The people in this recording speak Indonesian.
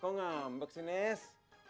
kok ngambek sih nes